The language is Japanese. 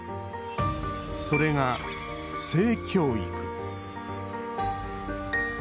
それが、「性教育」。